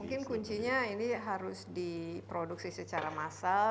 mungkin kuncinya ini harus diproduksi secara massal